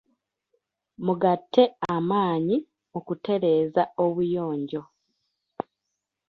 Mugatte amaanyi mu kutereeza obuyonjo.